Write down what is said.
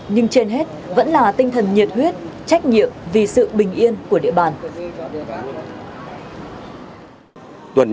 nhưng trên hết vẫn là tinh thần nhiệt huyết trách nhiệm vì sự bình yên của địa bàn